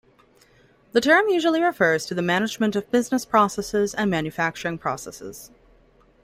The term usually refers to the management of business processes and manufacturing processes.